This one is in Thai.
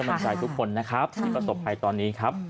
กำลังใจทุกคนนะครับที่ประสบภัยตอนนี้ครับ